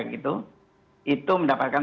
gitu itu mendapatkan